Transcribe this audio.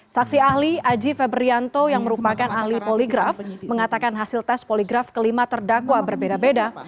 saksi ahli aji febrianto yang merupakan ahli poligraf mengatakan hasil tes poligraf kelima terdakwa berbeda beda